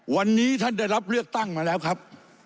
วันนี้ท่านได้รับเลือกตั้งมาแล้วครับ